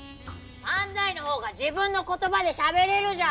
漫才の方が自分の言葉でしゃべれるじゃん！